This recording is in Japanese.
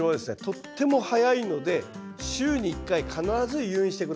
とっても早いので週に１回必ず誘引して下さい。